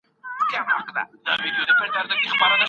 بحثونه زياتېږي هره ورځ دلته تل.